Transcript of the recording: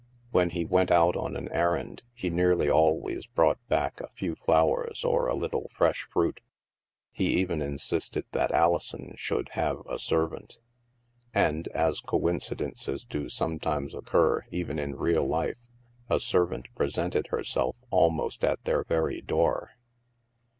When he went out on an errand, he nearly always brought back a few flowers or a little fresh fruit. He even insisted that Alison should have a servant. And, as coincidences do sometimes occur even in real life, a servant presented herself almost at their very door.